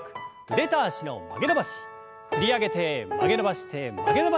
振り上げて曲げ伸ばして曲げ伸ばして振り下ろす。